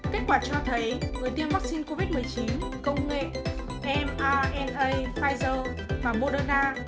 kết quả cho thấy người tiêm vaccine covid một mươi chín công nghệ mrna pfizer và moderna